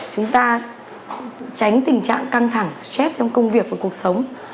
chúng ta tránh tình trạng căng thẳng stress trong công việc và cuộc sống